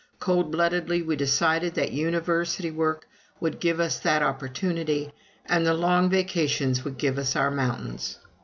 Cold bloodedly we decided that University work would give us that opportunity, and the long vacations would give us our mountains.